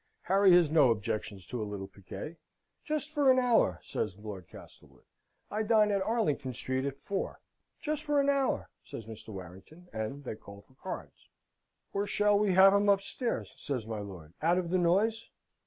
Harry has no objections to a little piquet. "Just for an hour," says Lord Castlewood. "I dine at Arlington Street at four." "Just for an hour," says Mr. Warrington; and they call for cards. "Or shall we have 'em in upstairs?" says my lord. "Out of the noise?"